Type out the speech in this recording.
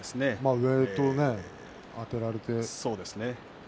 上とあてられて。